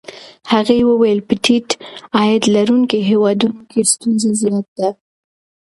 هغې وویل په ټیټ عاید لرونکو هېوادونو کې ستونزه زیاته ده.